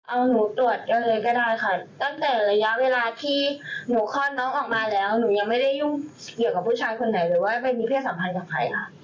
เอาหนูตรวจกันเลยก็ได้ค่ะตั้งแต่ระยะเวลาที่หนูคลอดน้องออกมาแล้วหนูยังไม่ได้ยุ่งเกี่ยวกับผู้ชายคนไหนหรือว่าไปมีเพศสัมพันธ์กับใครค่ะ